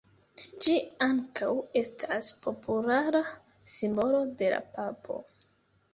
Ĝi ankaŭ estas populara simbolo de la papo.